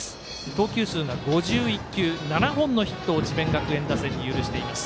投球数が５１球７本のヒットを智弁学園打線に許しています。